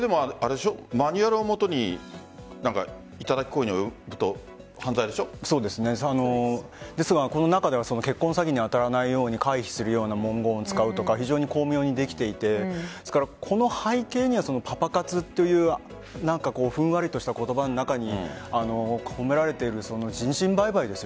マニュアルをもとに頂き行為に及ぶと犯罪でしょ？ですが、この中では結婚詐欺に当たらないように回避するような文言を使うとか非常に巧妙にできていてこの背景には、パパ活というふんわりとした言葉の中に込められている人身売買です。